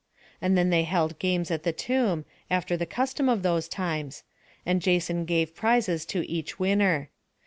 And then they held games at the tomb, after the custom of those times, and Jason gave prizes to each winner.